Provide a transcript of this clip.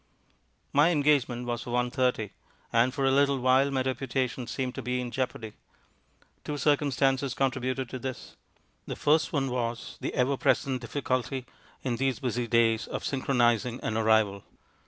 My engagement was for one thirty, and for a little while my reputation seemed to be in jeopardy. Two circumstances contributed to this. The first one was the ever present difficulty in these busy days of synchronizing an arrival.